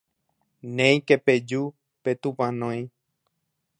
néike peju petupãnói.